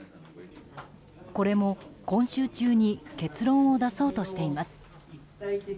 これも今週中に結論を出そうとしています。